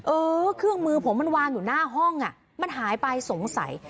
เออเครื่องมือผมมันวางอยู่หน้าห้องอ่ะมันหายไปสงสัย